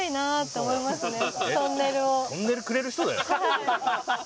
トンネルくれる人だよ？